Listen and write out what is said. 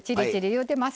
いうてます。